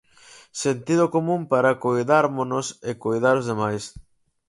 Sentido común para coidármonos e coidar os demais.